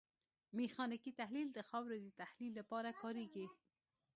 میخانیکي تحلیل د خاورې د تحلیل لپاره کاریږي